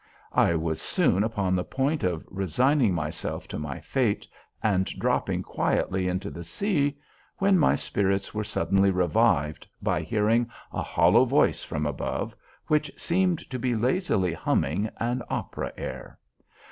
I was soon upon the point of resigning myself to my fate, and dropping quietly into the sea, when my spirits were suddenly revived by hearing a hollow voice from above, which seemed to be lazily humming an opera air.